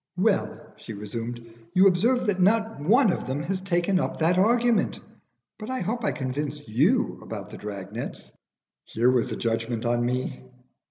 "Well," she resumed, "you observe that not one of them has taken up that argument. But I hope I convinced you about the drag nets?" Here was a judgment on me.